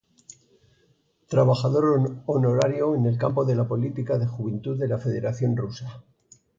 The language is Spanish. Trabajador honorario en el campo de la política de juventud de la Federación Rusa.